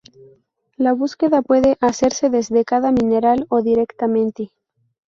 La búsqueda puede hacerse desde cada mineral o directamente.